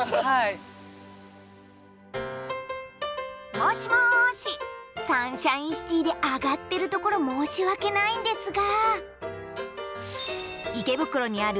もしもしサンシャインシティでアガってるところ申し訳ないんですが池袋にあるもう一つのビル